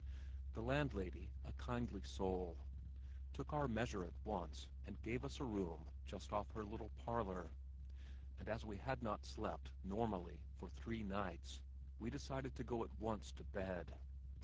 The landlady, a kindly soul, took our measure at once and gave us a room just off her little parlor, and as we had not slept, normally, for three nights, we decided to go at once to bed.